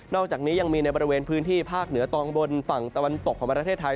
อกจากนี้ยังมีในบริเวณพื้นที่ภาคเหนือตอนบนฝั่งตะวันตกของประเทศไทย